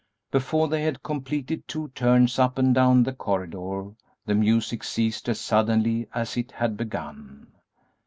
Before they had completed two turns up and down the corridor the music ceased as suddenly as it had begun.